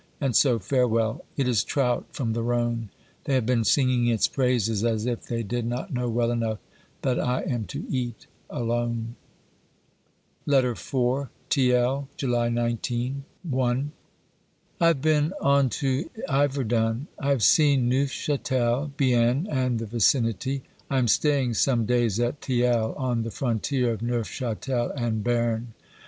And so farewell. It is trout from the Rhone; they have been singing its praises, as if they did not know well enough that I am to eat alone. LETTER IV THlEL,/w/y 19 (I). I have been on to Iverdun ; I have seen Neufchatel, Bienne, and the vicinity. I am staying some days at Thiel on the frontier of Neufchatel and Berne.